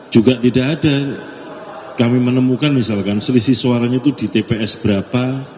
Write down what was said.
juga tidak ada kami menemukan misalkan selisih suaranya itu di tps berapa